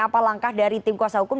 apa langkah dari tim kuasa hukum